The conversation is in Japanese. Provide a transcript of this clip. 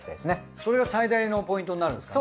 それが最大のポイントになるんですか？